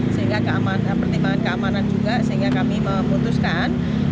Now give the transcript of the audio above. sehingga pertimbangan keamanan juga sehingga kami memutuskan